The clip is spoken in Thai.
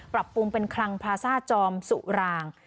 ปรับปรุงเป็นคลังพาซ่าจอมสุราง